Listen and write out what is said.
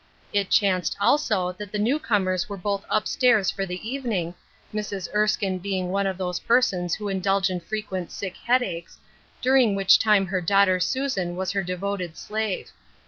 It chanced, also, that the new comers were both up stairs for the evening, Mrs. Erskine being one of those persons who indulge in frequent sick headaches, during which time her daughter Sui^an was her devoted slave.